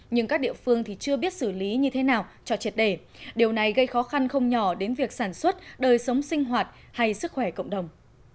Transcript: nhưng các địa phương thì chưa biết xử lý như thế nào cho triệt đề điều này gây khó khăn không nhỏ đến việc sản xuất đời sống sinh hoạt hay sức khỏe cộng đồng